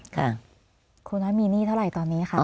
ค่ะครูน้อยมีหนี้เท่าไหร่ตอนนี้ค่ะ